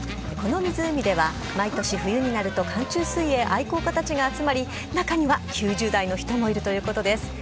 この湖では、毎年冬になると、寒中水泳愛好家たちが集まり、中には９０代の人もいるということです。